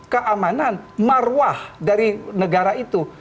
keamanan marwah dari negara itu